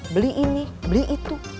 beli ini beli itu